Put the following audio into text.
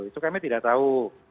itu kami tidak tahu